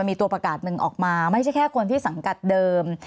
มีตัวประกาศหนึ่งออกมาไม่ใช่แค่คนที่สังกัดเดิม